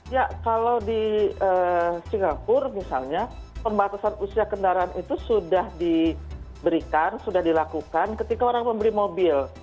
ya kalau di singapura misalnya pembatasan usia kendaraan itu sudah diberikan sudah dilakukan ketika orang membeli mobil